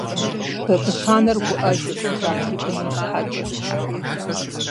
Бабыщ анэр гуӀэжырт трах и быным щхьэкӀэ.